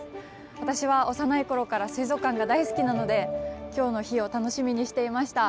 私は幼い頃から水族館が大好きなので今日の日を楽しみにしていました。